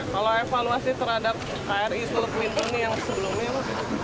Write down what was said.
kalau evaluasi terhadap kri seluruh kemintun yang sebelumnya